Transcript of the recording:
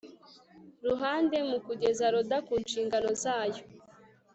ruhande mu kugeza loda ku nshingano zayo